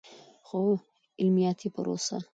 خو عملیاتي پروسه